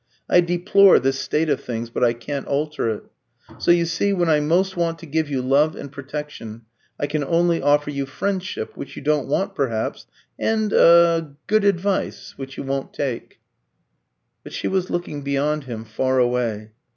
I deplore this state of things, but I can't alter it. So you see, when I most want to give you love and protection, I can only offer you friendship, which you don't want perhaps, and er good advice, which you won't take." But she was looking beyond him, far away.